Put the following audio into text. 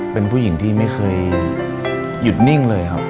เป็นผู้หญิงที่ไม่เคยหยุดนิ่งเลยครับ